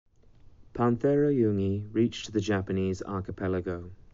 "Panthera youngi" reached to the Japanese Archipelago.